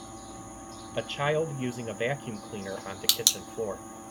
A child using a vacuum cleaner on the kitchen floor.